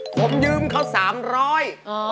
ผมยืมเขาสามร้อย